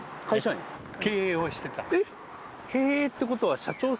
えっ！